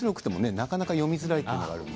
なかなか読みづらいというのがあります。